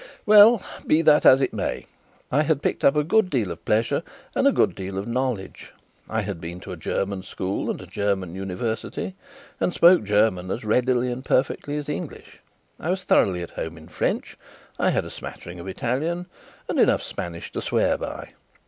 Well, be that as it may, I had picked up a good deal of pleasure and a good deal of knowledge. I had been to a German school and a German university, and spoke German as readily and perfectly as English; I was thoroughly at home in French; I had a smattering of Italian and enough Spanish to swear by.